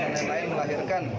dan yang lain melahirkan